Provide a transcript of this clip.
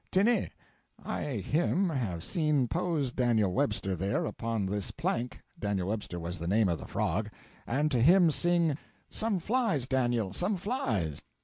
Tenez, I him have seen pose Daniel Webster there upon this plank Daniel Webster was the name of the frog and to him sing, 'Some flies, Daniel, some flies!'